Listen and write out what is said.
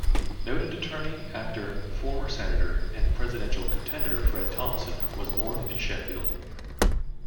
Noted attorney, actor, former senator and presidential contender Fred Thompson was born in Sheffield.